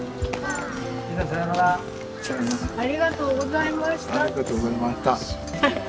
ありがとうございましたって。